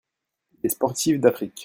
Des sportives d'Afrique.